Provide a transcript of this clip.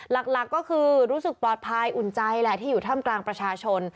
หลักก็คือรู้สึกปลอดภัยอุ่นใจแหละที่อยู่ถ้ำกลางประชาชน